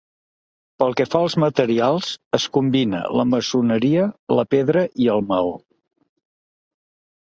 Pel que fa als materials, es combina la maçoneria, la pedra i el maó.